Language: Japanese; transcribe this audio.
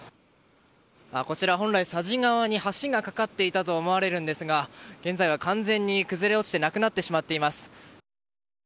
こちらは本来佐治川に橋がかかっていたと思われるんですが現在は完全に崩れ落ちてなくなってしまっています。